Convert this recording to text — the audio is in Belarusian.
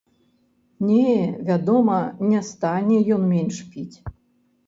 Не, вядома, не стане ён менш піць.